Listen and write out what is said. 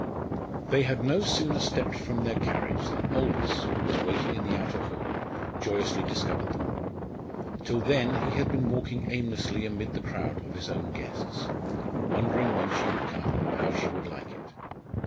They had no sooner stepped from their carriage than Aldous, who was waiting in the outer hall, joyously discovered them. Till then he had been walking aimlessly amid the crowd of his own guests, wondering when she would come, how she would like it.